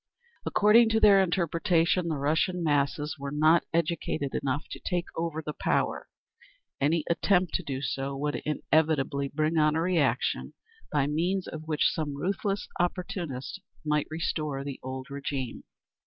According to their interpretation, the Russian masses were not educated enough to take over the power; any attempt to do so would inevitably bring on a reaction, by means of which some ruthless opportunist might restore the old régime.